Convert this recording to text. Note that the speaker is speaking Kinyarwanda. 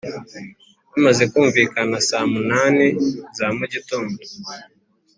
bamaze kumvikana saa munani za mugitondo,